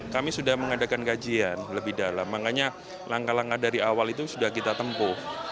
kami sudah mengadakan kajian lebih dalam makanya langkah langkah dari awal itu sudah kita tempuh